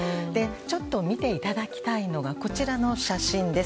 ちょっと見ていただきたいのがこちらの写真です。